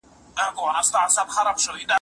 چې راغی هريسنګهـ کاږه اورمېږ ته یې شوې توره